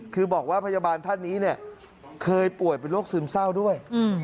คือบอกว่าพยาบาลท่านนี้เนี่ยเคยป่วยเป็นโรคซึมเศร้าด้วย